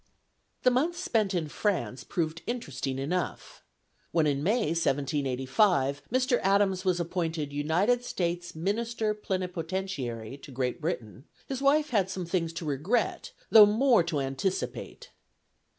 The months spent in France proved interesting enough. When in May, 1785, Mr. Adams was appointed United States Minister Plenipotentiary to Great Britain, his wife had some things to regret, though more to anticipate.